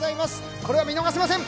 これは見逃せません。